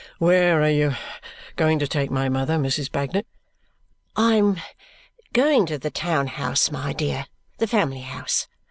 "Where are you going to take my mother, Mrs. Bagnet?" "I am going to the town house, my dear, the family house.